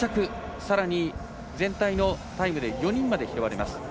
さらに全体のタイムで４人まで拾われます。